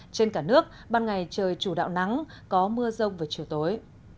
trên cả nước ban ngày trời chủ đạo nắng có mưa rông về chiều tối